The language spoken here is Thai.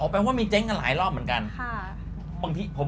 แปลว่ามีเจ๊งกันหลายรอบเหมือนกัน